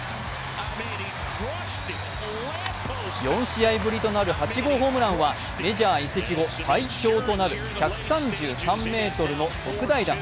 ４試合ぶりとなる８号ホームランはメジャー移籍後、最長となる１３３ｍの特大打。